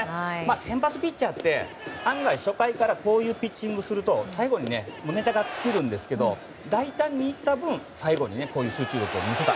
先発ピッチャーって案外、初回からこういうピッチングをすると最後につくんですけど大胆にいった分、最後にこういう集中力を見せた。